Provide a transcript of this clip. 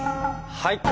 はい！